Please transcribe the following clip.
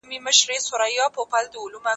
نن بیا څلور کټونه ایښي ستا خړه لمن کې